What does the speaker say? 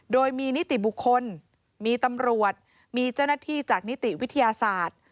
โดยมีนิติบุคคลมีตำรวจมีเจ้าหน้าที่จากนิติวิทยาศาสตร์